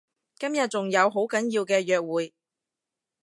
今日仲有好緊要嘅約會